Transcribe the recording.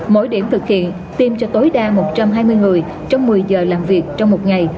mỗi điểm thực hiện tiêm cho tối đa một trăm hai mươi người trong một mươi giờ làm việc trong một ngày